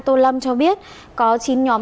tô lâm cho biết có chín nhóm